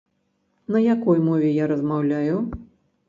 На якой мове я размаўляю?